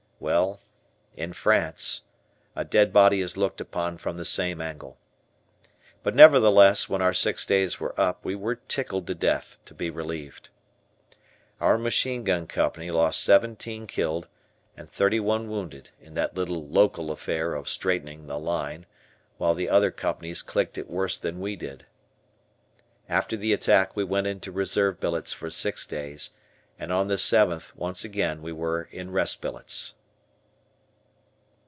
Well, in France, a dead body is looked upon from the same angle. But, nevertheless, when our six days were up, we were tickled to death to be relieved. Our Machine Gun Company lost seventeen killed and thirty one wounded in that little local affair of "straightening the line," while the other companies clicked it worse than we did. After the attack we went into reserve billets for six days, and on the seventh once again we were in rest billets.